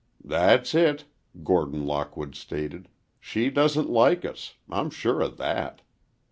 "That's it," Gordon Lockwood stated. "She doesn't like us,—I'm sure of that.